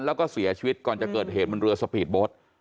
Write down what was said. แล้วก็เสียชีวิตก่อนจะเกิดเหตุบนเรือสปีดโบสต์